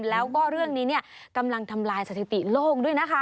แล้วก็เรื่องนี้กำลังทำลายสถิติโลกด้วยนะคะ